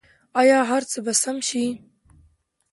آیا هر څه به سم شي؟